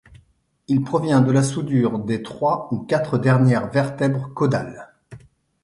Il provient de la soudure des trois ou quatre dernières vertèbres caudales.